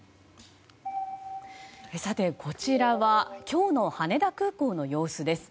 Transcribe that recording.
こちらは今日の羽田空港の様子です。